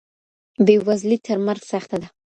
بې وزلي تر مرګ سخته ده.